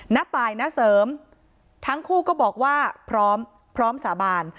ณตายณเสริมทั้งคู่ก็บอกว่าพร้อมพร้อมสาบาน